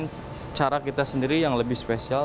dengan cara kita sendiri yang lebih spesial